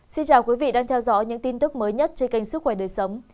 xin chào quý vị đang theo dõi những tin tức mới nhất trên kênh sức khỏe đời sống